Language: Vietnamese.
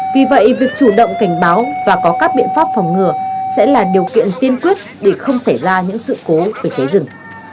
vì vậy việc chủ động cảnh báo và có các biện pháp phòng ngừa sẽ là điều kiện tiên quyết để không xảy ra những sự cố về cháy rừng